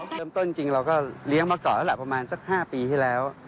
เริ่มต้นจริงเราก็เลี้ยงมาก่อนแล้วล่ะประมาณสัก๕ปีที่แล้ว